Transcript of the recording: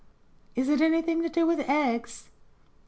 "Is it anything to do with eggs